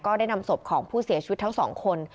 ได้นำศพของผู้เสียชีวิตทั้งสองคน